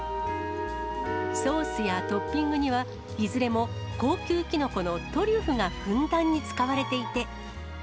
ソースやトッピングには、いずれも高級キノコのトリュフがふんだんに使われていて。